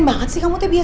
bukan ada ya